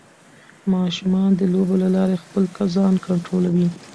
ماشومان د لوبو له لارې خپل ځان کنټرولوي.